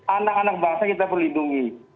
anak anak bangsa kita perlu lindungi